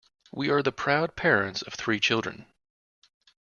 We are the proud parents of three children.